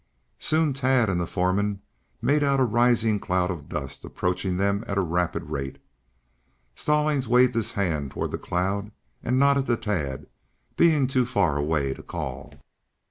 Soon Tad and the foreman made out a rising cloud of dust approaching them at a rapid rate. Stallings waved his hand toward the cloud and nodded to Tad, being too far away to call.